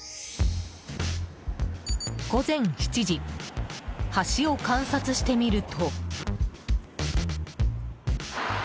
午前７時、橋を観察してみると。